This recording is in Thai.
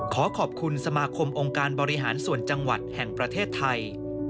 ขอขอบคุณสมาคมองค์การบริหารส่วนจังหวัดแห่งประเทศไทย